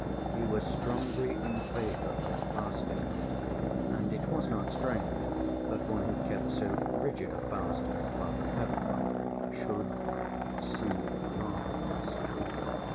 He was strongly in favor of fasting, and it was not strange that one who kept so rigid a fast as Father Ferapont should "see marvels."